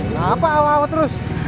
kenapa awal awal terus